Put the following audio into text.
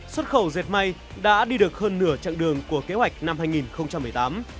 xuất khẩu dệt may đã đi được hơn nửa chặng đường của kế hoạch năm hai nghìn một mươi tám